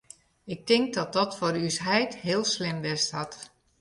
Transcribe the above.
Ik tink dat dat foar ús heit heel slim west hat.